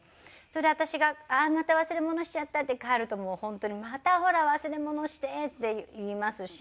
それで私が「ああーまた忘れ物しちゃった」って帰ると本当に「またほら忘れ物して」って言いますし。